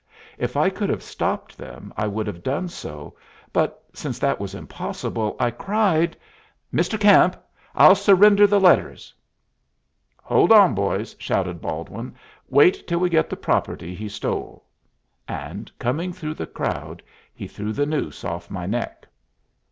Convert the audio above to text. If I could have stopped them I would have done so, but, since that was impossible, I cried, "Mr. Camp, I'll surrender the letters." "Hold on, boys," shouted Baldwin; "wait till we get the property he stole." And, coming through the crowd, he threw the noose off my neck.